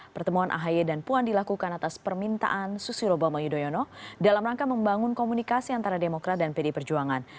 pertemuan ahi dan puan dilakukan atas permintaan susiroba mayudhoyono dalam rangka membangun komunikasi antara demokrat dan pdi perjuangan